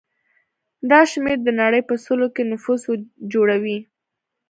دا شمېر د نړۍ په سلو کې نفوس جوړوي.